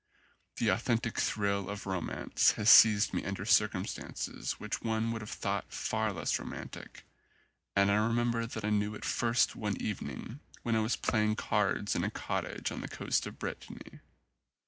The authentic thrill of romance has seized me under circumstances which one would have thought far less romantic, and I remember that I knew it first one evening when I was playing cards in a cottage on the coast of Brittany.